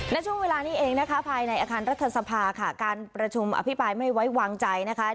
และช่วงเวลานี้เองนะคะภายในอาคารรัฐสภาค่ะการประชุมอภิปรายไม่ไว้วางใจนะคะ